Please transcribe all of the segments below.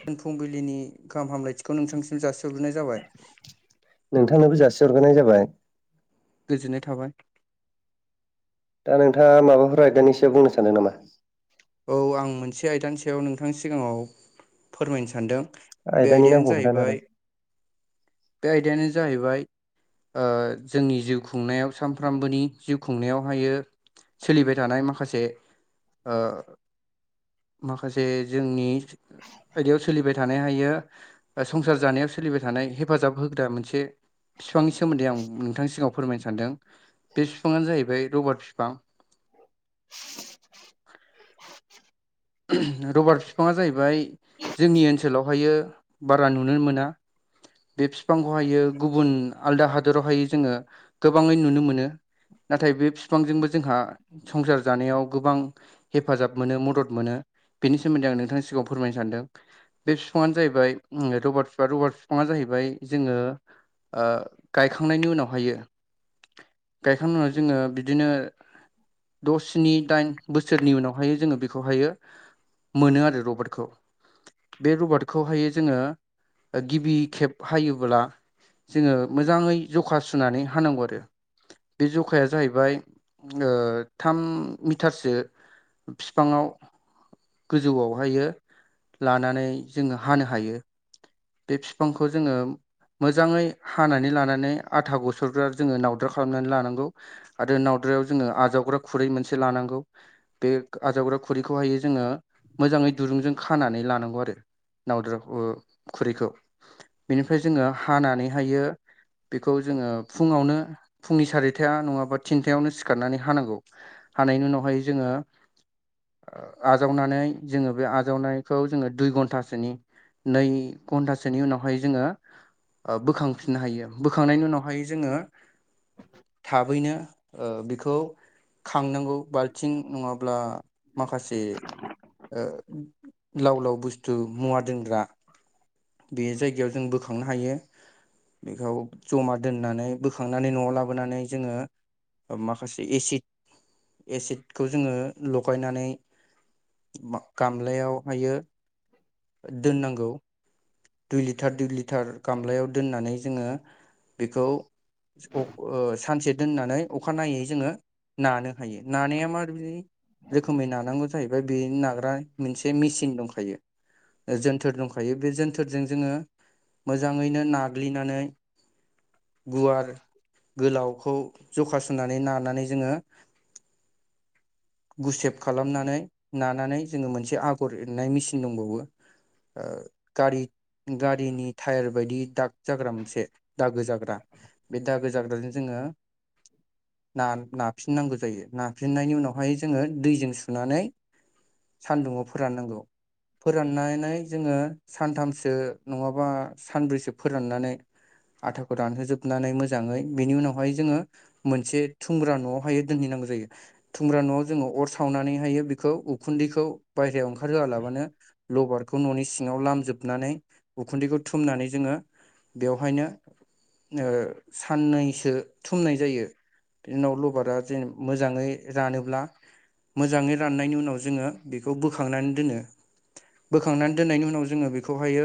जोन फुंबिलिनि गाहाम हामलायथिखौ नोंथांसिम जासिहरग्रोनाय जाबाय। नोंथांनोबो जासिहरग्रोनाय जाबाय। गोजोननाय थाबाय। दा नोंथाङा माबाफोर आयदानि सायाव बुंनो सानदों नामा? औ आं मोनसे आयदानि सायाव नोंथांनि सिगाङाव फोरमायनो सानदों। बे आयदानि आयदायानो नामखौ खोन्थानो जाहैबाय हागोन बे आयदायानो जाहैबाय ओ जोंनि जिउ खुंनायाव सानफ्रोमबोनि जिउ खुंनायावहायो सोलिबाय थानाय माखासे ओ माखासे जोंनि आयदायाव सोलिबाय थानाय हायो संसार जानायाव सोलि बाय थानाय हेफाजाब होग्रा मोनसे फिफांनि सोमोन्दै आं नोंथांनि सिगांङाव फोरमायनो सानदों बे बिफाङानो जाहैबाय रबार फि फां। रबार फिंफाङा जाहैबाय जोंनि ओनसोलावहायो बारा नुनो मोना। बे फिंफांखौहायो गुबुन आलदा हादोरावहाय जोंङो गोबांङै नुनो मोनो। नाथाय बे बिफांजोंबो जोंहा संसार जानायाव गोबां हेफाजाब मोनो मदद मोनो। बेनि सोमोन्दै आं नोंथांनि सिगाङाव फोरमायनो सानदों बे फिफाङानो जाहैबाय रबार फिफां रबार फिफाङा जाहै आमफाय जोङो ओ गायखांनायनि उनावहायो गायखांनाय उनाव जोंङो बिदिनो द स्नि दाइन बोसोरनि उनावहायो जोङो बे खौहायो मोनो आरो रबाटखौ बे रबारखौहायो जोङो गिबि खेब हायोब्ला जोंङो मोजाङै जखा सुनानै हानांगौ आरो। बे जखाया जाहैबाय ओ थाम मिटारसो फि फाङाव गोजौआवहायो लानानै जोंङो हानो हायो। बे फिफांखौ जोङो मोजाङै हानानै लानानै आथा गुसरग्रा जोङो नावद्रा खालामनानै लानांगौ आरो नावद्रायाव जोङो आजावग्रा खुरै मोनसे लानां गौ बे आजावग्रा खुरिखौहायो जोङो मोजाङै दुरुंजों खानानै लानांगौ आरो। नावद्राखौ खुरैखौ बिनिफ्राय जोङो हानानैहायो बेखौ जोङो फुंङावनो फुंनि सारिथाया नङाबा थिनथायावनो सिखारनानै हानांगौ हानायनि उनावहाय जोङो आजावनानै जोङो बे आजावनायखौ जोङो दुइ घन्टासोनि नै घन्टासोनि उनावहाय जोङो ओ बोखांफिननो हायो बोखांनायनि उनावहाय जोङो थाबैनो ओ बेखौ खांनांगौ बालथिं नङाब्ला माखासे ओ लाव लाव बुस्थु मुवा दोनग्रा बे जायगायाव जों बोखांनो हायो। बेखौ जमा दोननानै बोखांनानै न'आव लाबोनानै जोङो माखासे एसिड एसिडखौ जोङो लगायनानै मा गामलायावहायो दोननांगौ। दुइ लिटार दुइ लिटार गामलायाव दोननानै जोंङो बेखौ स ओ सानसे दोननानै अखानाययै जोङो नानो हायो नानाया मारै रोखोमै नानांगौ जाहैबाय बे नाग्रा मोनसे मेचिन दंखायो। जोनथोर दंखायो बे जोनथोरजों जोङो मोजाङैनो नाग्लिनानै गुवार गोलावखौ जखा सुनानै नारनानै जोङो गुसेब खालामनानै नानानै जोङो मोनसे आगर एरनाय मेसिन दंबावो ओ गारि गारिनि टायार बायदि दाग जाग्रा मोनसे दागो जाग्रा बे दागो जाग्राजों जोंङो ना नाफिननांगौ जायो नाफिननायनि उनावहाय जोंङो दैजों सुनानै सानदुंआव फोराननांगौ फोराननानै जोंङो सानथामसो नंङाबा सानब्रैसो फोराननानै आटाखौ रानहोजोबनानै मोजांङै बेनि उनावहाय जोंङो मोनसे थुमग्रा न'आवहायो दोनहैनांगौ जायो थुमग्रा न'आव जोंङो अर सावनानैहाय बे खौ उखुन्दैखौ बाहेरायाव ओंखारहोआलाबानो लबारखौ ननि सिंआव लाम जोबनानै उखुन्दैखौ थुमनानै जोंङो बेवहायनो ओ साननैसो थुमनाय जायो बिनि उनाव लबारा जेन मोजांङै रानोब्ला मोजांङै राननायनि उनाव जोंङो बेखौ बोखांनानै दोनो बोखांनानै दोननायनि उनाव जोंङो बेखौहायो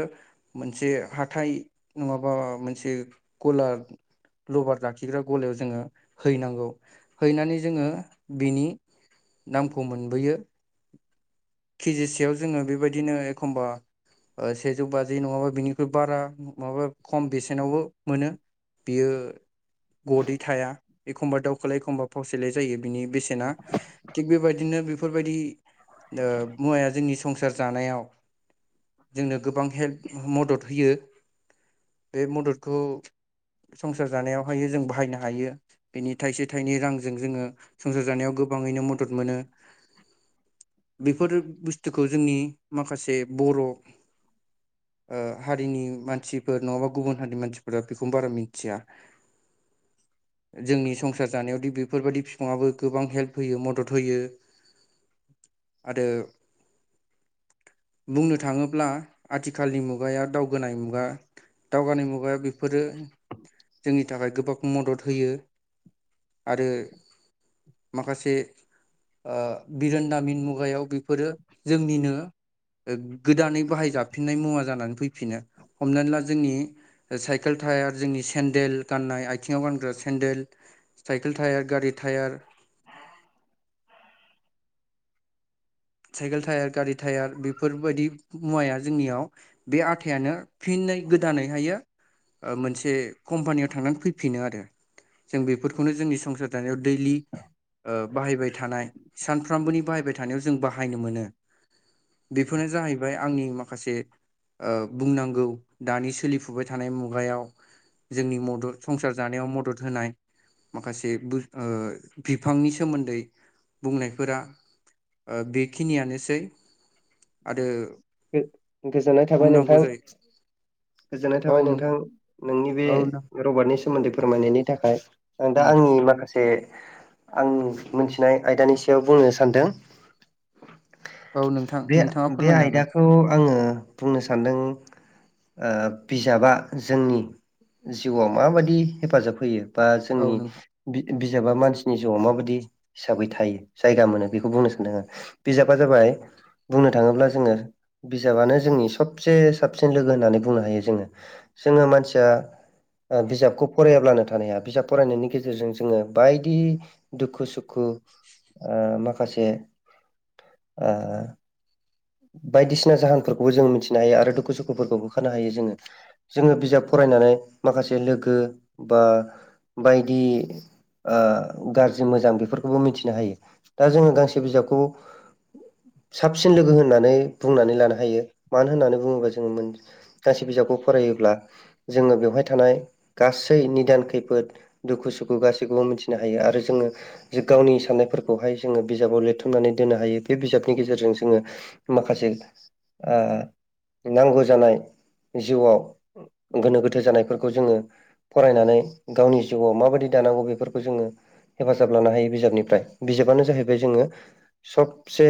मोनसे हाथाय नंङाबा मोनसे ग'ला लबार लाखिग्रा गलायाव जोंङो हैनांगौ हैनानै जोंङो बिनि नामखौ मोनबोयो केजिसेयाव जोंङो बेबायदिनो एखमबा ओ सेजौ बाजि नंङाबा बिनिख्रुइ बारा माबा खम बेसेनावबो मोनो। बियो गदै थाया। एखमबा दावउखोलाय एखमबा फावसयलाय जायो बिनि बेसेना थिग बेबायदिनो बेफोरबायदि ओ मुवाया जोंनि संसार जानायाव जोंनो गोबां हेल्प मदद होयो बे मददखौ संसार जानायावहायो जों बाहायनो हायो बेनि थाइसे थाइनै रांजों जोंङो संसार जानायाव गो गोबांङैनो मदद मोनो। बेफोर बुस्थुखौ जोंनि माखासे बर' ओ हारिनि मानसिफोर नंङाबा गुबुन हारिनि मानसिफोरा बेखौनो बारा मिथिया। [unintelligible] जोंनि संसार जानायावदि बेफोरबायाददि बिफांङआबो गोबां हेल्प होयो मदद होयो। आरो बुंनो थांङोब्ला आथिखालनि मुगाया दावगोनाय मुगा दावगानाय मुगाया बेफोरो जोंनि थाखाय गोबां मदद होयो। आरो माखासे ओ बिरोनदामिन मुगायाव बेफोरो जोंनिनो गोदानै बाहाय जाफिननाय मुवा जानानै फैफिनो हमनानै ला जोंनि साइकेल टायार जोंनि सेेनदेल गाननाय आथिंआव गानग्रा सेन्देल साइकेल टायार गारि टायार साइकेल टायार गारि टायार बेफोरबायदि मुवाया जोंनियाव बे आथायानो फिन नै गोदानैहायो ओ मोनसे कम्पानियाव थांनानै फैफिनो आरो। जों बेफोरखौनो जोंनि संसार जानायाव दैलि ओ बाहायबाय थानाय सानफ्रोमबोनि बाहायबाय थानायाव जों बाहायनो मोनो। बेफोरनो जाहैबाय आंनि माखासे ओ बुंनांगौ दानि सोलिफुबाय थानाय मुगायाव जोंनि मदद संसार जानायाव मदद होनाय माखासे बुज ओ बिफांनि सोमोन्दै बुंनायफोरा ओ बेखिनियानोसै आरो गो-गोजोननाय थाबाय नोंथां। बुंनांगौ जायो गोजोननाय थाबाय नोंथां नोंनि बे औ नों रबारनि सोमोन्दै फोरमायनायनि थाखाय आं दा आंनि माखासे आंनि मोनथिनाय आयदानि सायाव बुंनो सानदों औ नोंथां बे नोंथाङा बे फोरमायनो हागोन आयदाखौ आंङो बुंनो सानदों ओ बिजाबा जोंनि जिउआव माबायदि हेफाजाब होयो। बा जोंनि औ नोंथां बि-बिजाबा मानसि नि जिउआव माबायदि हिसाबै थायो जायगा मोनो बेखौ बुंनो सान्दों आंङो। बिजाबा जाबाय बुंनो थांङोब्ला जोंङो बिजाबानो जोंनि सबसे साबसिन लोगो होननानै बुंनो हायो जोङो जोङो मानसिया ओ बिजाबखौ फरायाब्लानो थानो हाया बिजाब फरायनायनि गेजेरजों जोङो बायदि दुखु सुखु ओ माखासे ओ बायदिसिना जाहोनफोरखौबो जोङो मिथिनो हायो आरो दुखु सुखुफोरखौबो होखारनो हायो जोङो जोङो बिजाब फराय नानै माखासे लोगो बा बायदि ओ गारजि मोजां बेफोरखौबो मिथिनो हायो दा जोङो गांसे बिजाबखौ साबसिन लोगो होन नानै बुंनानै लानो हायो मानो होननानै बुङोबा जो मोन गांसे बिजाबखौ फरायोब्ला जोङो बेवहाय थानाय गासै निदान खैफोद दुखु सुखु गासैखौबो मिथिनो हायो आरो जोङो जे गावनि साननायफोरखौहाय जोङो बिजाबाव लिरथुमनानै दोननो हायो बे बिजाबनि गेजेरजों जोङो माखासे ओ नांगौ जानाय जिउआव गोनो गोथो जानायफोरखौ जोङो फरायनानै गावनि जिउआव माबादि दानांगौ बेफोरखौ जोङो हेफाजाब लानो हायो बिजाबनिफ्राय बिजाबानो जाहैबाय जोङो सबसे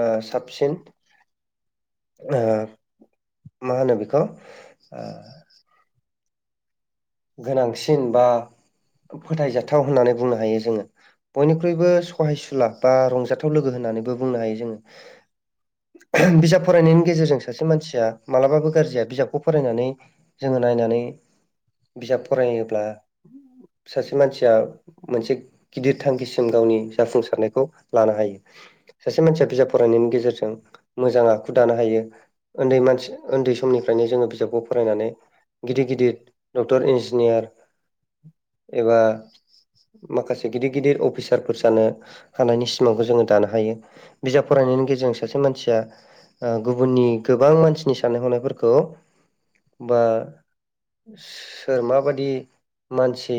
ओ साबसिन ओ मा होनो बेखौ [unintelligible] गोनांसिन बा फोथायजाथाव होननानै बुंनो हायो जोङो बयनिख्रुइबो सहायसुला बा रंजाथाव लोगो होन नानै बुंनो हायो जोङो [unintelligible] बिजाब फरायनायनि गेजेरजों सासे मानसिया मालाबाबो गारजि जाया बिजाबखौ फरायनानै जोङो नायनानै बिजाब फरायोब्ला सासे मानसिया मोनसे गिदिर थांखिसिम गावनि जाफुंसारनायखौ लानो हायो सासे मानसिया बिजाब फरायनायनि गेजेरजों मोजां आखु दानो हायो ओन्दै मानसि ओन दै समनिफ्रायनो जोङो बिजाबखौ फरायनानै गिदिर गिदिर डक्टर इन्जिनियार एबा माखासे गिदिर गिदिर अफिसारफोर जानो हानायनि सिमांखौ जोङो दानो हायो बिजाब फराय नायनि गेजेरजों सासे मानसिया ओ गुबुननि गोबां मानसिनि साननाय हनायफोरखौ बा सोर माबादि मानसि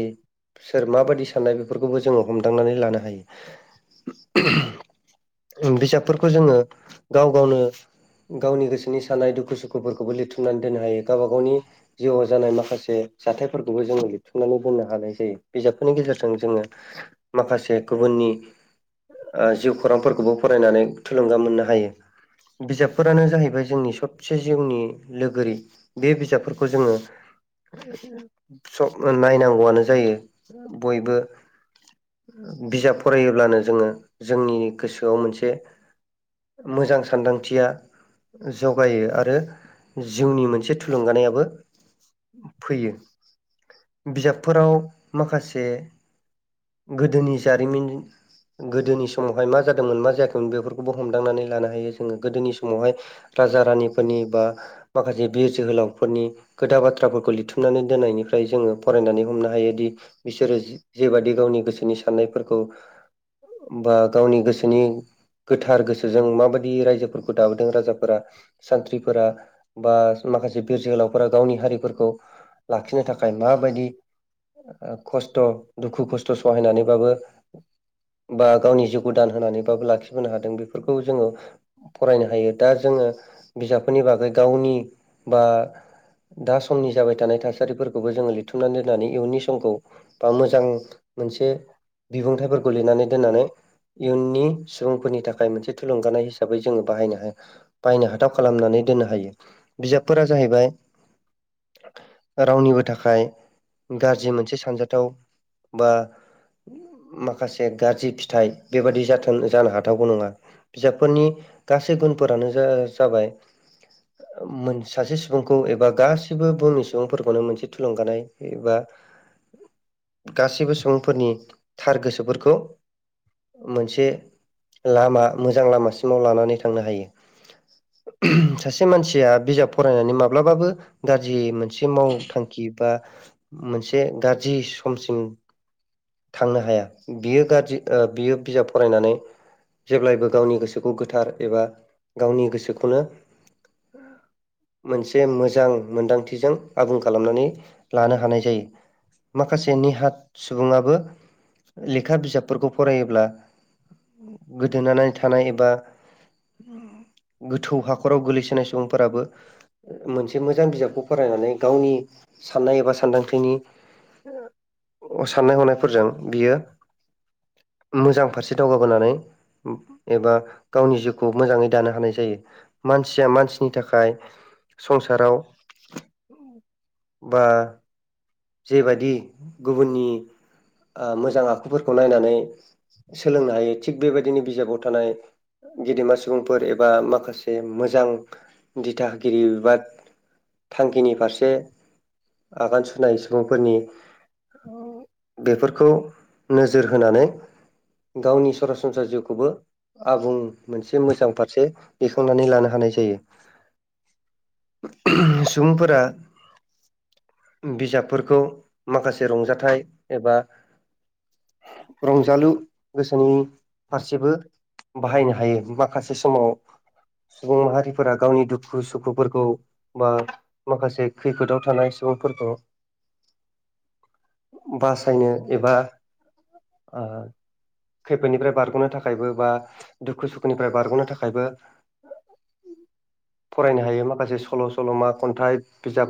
सोर माबादि साननाय बेफोरखौबो जोङो हमदांनानै लानो हायो [unintelligible] बिजाबफोरखौ जोङो गाव गावनो गावनि गोसोनि साननाय दुखु सुखुफोरखौबो लिरथुमनानै दोननो हायो गाबा गावनि जिउआ जानाय माखासे जथायफोरखौबो जोङो लिरथुमनानै बुंनो हानाय जायो बिजाबफोरनि गेजेरजों जोङो माखासे गुबुननि ओ जिउ खुरांफोरखौबो फरायनानै थुलुंगा मोननो हायो बिजाबफोरानो जाहैबाय जोंनि सबसे जिउनि लोगोरि बे बिजाबफोरखौ जोङो [unintelligible] सब नायनांगौआनो जायो बयबो [unintelligible] बिजाब फरायोब्लानो जोङो जोंनि गोसोआव मोनसे मोजां सानदांथिया [unintelligible] जौगायो आरो जिउनि मोनसे थुलुंगानायाबो फैयो बिजाबफोराव माखासे गोदोनि जारिमिन गोदोनि समावहाय मा जादोंमोन मा जायाखैमोन बेफोरखौबो हमदांनानै लानो हायो जोङो गोदोनि समावहाय [unintelligible] राजा रानिफोरनि बा माखासे बिर जोहोलावफोरनि खोथा बा थ्राफोरखौ लिरथुमनानै दोननायनिफ्राय जोङो फरायनानै हमनो हायोदि बिसोरो जि जिबादि गावनि गोसोनि साननायफोरखौ बा गावनि गोसोनि गोथार गोसो जों माबादि रायजोफोरखौ दाबोदों राजाफोरा सानथ्रिफोरा बा माखासे बिर जोहोलावफोरा गावनि हारिफोरखौ लाखिनो थाखाय माबायदि ओ खस्थ' दुखु खस्थ' सहायनानैबाबो बा गावनि जिउखौ दान होनानैबाबो लाखिबोनो हादों बिफोरखौ जोङो फरायनो हायो दा जो ङो बिजाबफोरनि बागै गावनि बा दा समनि जाबाय थानाय थासारिफोरखौबो जोङो लिरथुमनानै दोननानै इयुननि समखौ बा मोजां मोनसे बिबुंथायफोरखौ लिरनानै दोननानै इयुननि सुबुंफोरनि थाखाय मोनसे थुलुंगानाय हिसाबै जोङो बाहायनो बाहायनो हाथाव खालामनानै दोननो हायो बिजाबफोरा जाहैबाय [inaudible] रावनिबो थाखाय गाज्रि मोनसे सानजाथाव बा माखासे गाज्रि फिथाइ बेबायादि जाथों जानो हाथावगौ नङा बिजाबफोरनि गासै गुनफोरानो जा जाबाय मोन सासे सुबुंखौ एबा गा सिबो बुहुमनि सुबुंफोरखौनो मोनसे थुलुंगानाय एबा गासैबो सुबुंफोरनि थार गोसोफोरखौ मोनसे लामा मोजां लामासिमाव लानानै थांनो हायो सासे मानसिया बिजाब फरायनानै माब्लाबाबो गाज्रि मोनसे मावथांखि बा मोनसे गाज्रि समसिम थांनो हाया बियो गाज्रि बियो बिजाब फरायनानै जेब्लायबो गावनि गोसोखौ गोथार एबा गावनि गोसोखौनो मोनसे मोजां मोनदांथिजों आबुं खालामनानै लानो हानाय जायो माखासे निहाथ सुबुङाबो लेखा बिजाबफोरखौ फरायोब्ला गोदोनानै थानाय एबा गोथौ हाखराव गोलैसोनाय सुबुंफोराबो मोनसे मो मोजां बिजाबखौ फरायनानै गावनि साननाय एबा सानदांथिनि साननाय हनायफोरजों बियो मोजां फारसे दावगाबोनानै एबा गावनि जिउखौ मोजाङै दानो हानाय जायो मानसिया मानसिनि थाखाय संसाराव बा जेबायदि गुबुननि ओ मोजां आखुफोरखौ नायनानै सोलोंनो हायो थिग बेबायदिनो बिजाबाव थानाय गेदेमा सुबुंफोर एबा माखासे मोजां दिथाहोगिरि बिबाद थांखिनि फारसे आगान सुरनाय सुबुंफोरनि बेफोरखौ नोजोर होनानै गावनि सरासनस्रा जिउखौबो आबुं मोनसे मोजां फारसे दैखांनानै लानो हानाय जायो ओहम सुबुंफोरा बिजाबफोरखौ माखासे रंजाथाइ एबा रंजालु गोसोनि फारसेबो बाहायनो हायो माखासे समाव सुबुं माहारिफोरा गावनि दुखु सुखुफोरखौ बा माखासे खैफोदाव थानाय सुबुंफोरखौ बासायनो एबा खैफोदनिफ्राय बारग'नो थाखायबो बा दुखु सुखुनिफ्राय बारग'नो थाखायबो फरायनो हायो माखासे सल' सल'मा खन्थाइ बिजाब